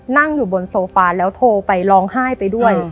นั่งอยู่บนโซฟาแล้วโทรไปร้องไห้ไปด้วย